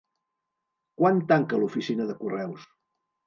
Quan tanca l'oficina de correus?